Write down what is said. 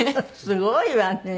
すごいわね。